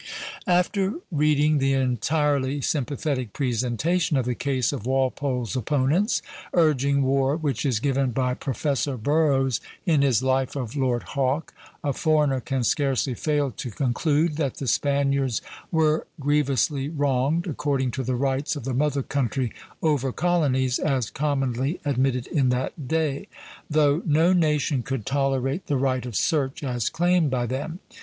After reading the entirely sympathetic presentation of the case of Walpole's opponents, urging war, which is given by Professor Burrows in his Life of Lord Hawke, a foreigner can scarcely fail to conclude that the Spaniards were grievously wronged, according to the rights of the mother country over colonies as commonly admitted in that day; though no nation could tolerate the right of search as claimed by them.